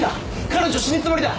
彼女死ぬつもりだ！